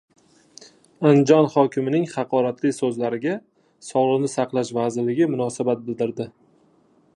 Andijon hokimining haqoratli so‘zlariga Sog‘liqni saqlash vazirligi munosabat bildirdi